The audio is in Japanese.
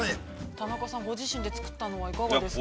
◆田中さん、ご自身で作ったのはいかがですか。